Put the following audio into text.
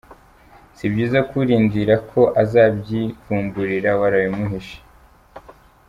Si byiza ko urindira ko azabyivumburira warabimuhishe.